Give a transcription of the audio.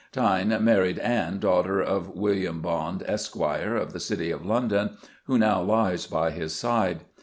Thynne "married Ann, daughter of William Bonde, Esq., of the city of London, who now lies by his side.